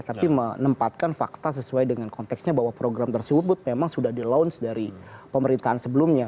tapi menempatkan fakta sesuai dengan konteksnya bahwa program tersebut memang sudah di launch dari pemerintahan sebelumnya